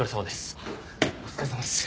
お疲れさまです。